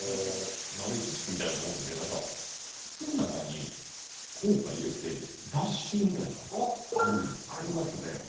豆知識みたいなもんで靴の中に硬貨入れて脱臭みたいなあるじゃないですかありますね